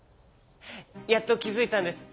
やっときづいたんです。